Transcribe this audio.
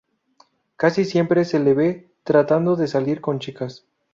Casi siempre se le ve tratando de salir con chicas.